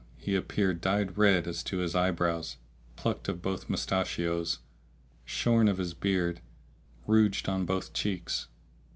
he appeared dyed red as to his eyebrows, plucked of both mustachios, shorn of his beard, rouged on both cheeks.